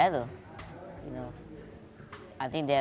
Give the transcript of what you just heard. dan saya pikir mereka